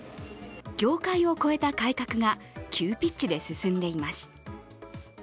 業界を超えた改革が急ピッチで進んでいます。